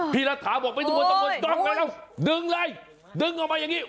พี่รัฐาบอกพี่ทุกคนจ้องกันแล้วดึงเลยดึงออกมาอย่างนี้